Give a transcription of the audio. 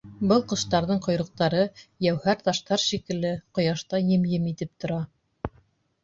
Был ҡоштарҙың ҡойроҡтары, йәүһәр таштар шикелле, ҡояшта ем-ем итеп тора.